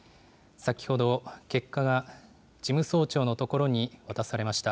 先ほど、結果が事務総長のところに渡されました。